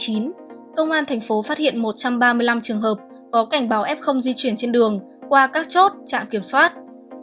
công an thành phố phát hiện một trăm ba mươi năm trường hợp có cảnh báo f di chuyển trên đường qua các chốt trạm kiểm soát